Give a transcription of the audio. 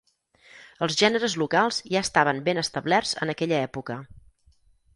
Els gèneres locals ja estaven ben establerts en aquella època.